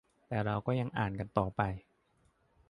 แต่เราก็ยังอ่านกันต่อไป